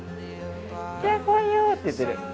キャ、怖いよって言ってる。